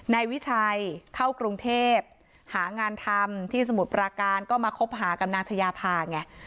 นายวิชัยเข้ากรุงเทพหางานทำที่สมุทรปราการก็มาคบหากับนางชายาภาไง